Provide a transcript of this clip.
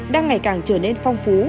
đang ngày càng trở nên phong phú